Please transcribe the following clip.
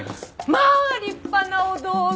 まあ立派なお道具！